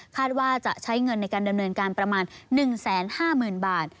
ว่าจะใช้เงินในการดำเนินการประมาณ๑๕๐๐๐บาท